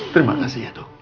terima kasih ya dok